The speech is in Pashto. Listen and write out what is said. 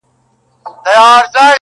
پروت کلچه وهلی پرې ښامار د نا پوهۍ کنې,